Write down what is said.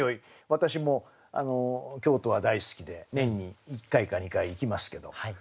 私も京都は大好きで年に１回か２回行きますけど。